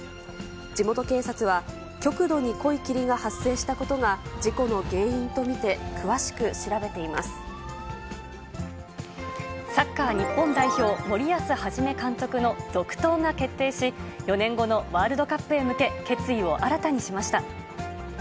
地元警察は、極度に濃い霧が発生したことが、事故の原因と見て、詳しく調べてサッカー日本代表、森保一監督の続投が決定し、４年後のワールドカップへ向け、決意を新たにしました。